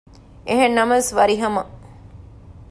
އެހެންނަމަވެސް ވަރިހަމަ